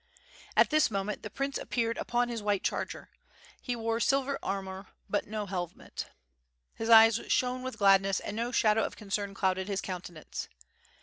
At this moment the prince appeared upon his white charger. He wore silver armour but no helmet. His eyes shone with gladness and no shadow of concern clouded his countenance.